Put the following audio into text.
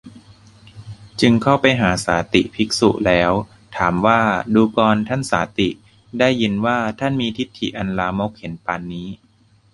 จึงเข้าไปหาสาติภิกษุแล้ว ถามว่า ดูกรท่านสาติ ได้ยินว่า ท่านมีทิฏฐิอันลามกเห็นปานนี้